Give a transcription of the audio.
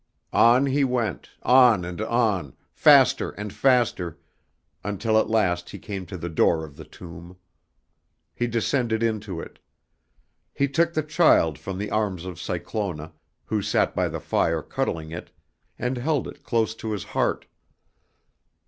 On he went, on and on, faster and faster, until at last he came to the door of the tomb. He descended into it. He took the child from the arms of Cyclona, who sat by the fire cuddling it, and held it close to his heart.